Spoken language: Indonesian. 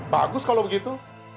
bagus kalau begitu